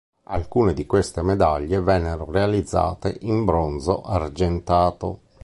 Alcune di queste medaglie vennero realizzate in bronzo argentato.